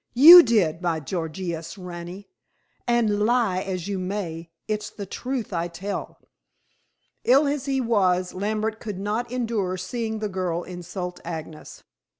"You did, my Gorgious rani, and lie as you may, it's the truth I tell." Ill as he was, Lambert could not endure seeing the girl insult Agnes.